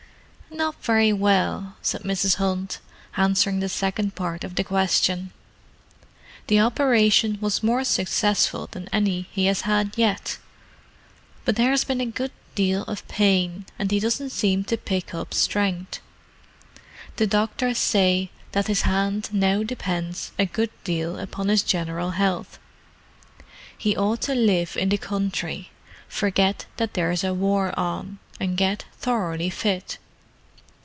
"Not very well," said Mrs. Hunt, answering the second part of the question. "The operation was more successful than any he has had yet, but there has been a good deal of pain, and he doesn't seem to pick up strength. The doctors say that his hand now depends a good deal upon his general health: he ought to live in the country, forget that there's a war on, and get thoroughly fit."